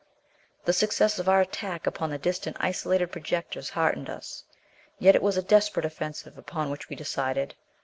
The success of our attack upon the distant isolated projectors, heartened us. Yet it was a desperate offensive upon which we decided!